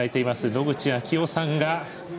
野口啓代さんが。